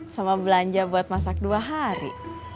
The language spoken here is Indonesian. sama belanja buat masak dua hari